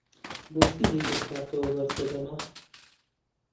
بۆ چی لێی بخواتەوە بەرزە دەماخ؟!